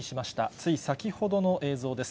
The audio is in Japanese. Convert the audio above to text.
つい先ほどの映像です。